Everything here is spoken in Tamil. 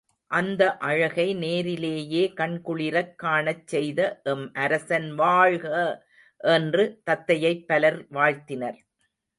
அந்த அழகை நேரிலேயே கண்குளிரக் காணச் செய்த எம் அரசன் வாழ்க! என்று தத்தையைப் பலர் வாழ்த்தினர்.